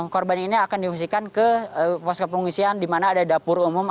korban ini akan diungsikan ke posko pengungsian di mana ada dapur umum